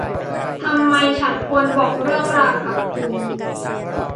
ทำไมฉันควรบอกเรื่องราวกับคุณ